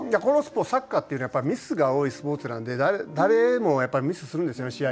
このスポーツサッカーっていうのはやっぱりミスが多いスポーツなんで誰でもミスするんですよね